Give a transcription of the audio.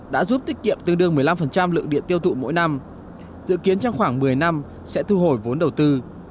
đã giúp tiết kiệm tương đương một mươi năm lượng điện tiêu thụ mỗi năm dự kiến trong khoảng một mươi năm sẽ thu hồi vốn đầu tư